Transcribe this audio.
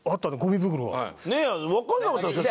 わかんなかったんですか？